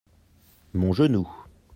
mon genou.